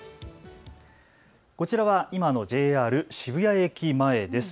こちらは今のＪＲ渋谷駅前です。